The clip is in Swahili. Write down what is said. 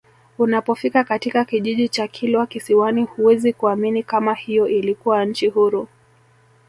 Unapofika katika kijiji cha Kilwa Kisiwani huwezi kuamini kama hiyo ilikuwa nchi huru